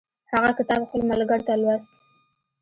هغه کتاب خپلو ملګرو ته لوست.